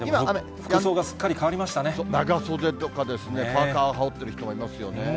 服装がすっかり長袖とか、パーカー羽織ってる人がいますよね。